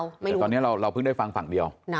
แต่ตอนนี้เราเพิ่งได้ฟังฝั่งเดียว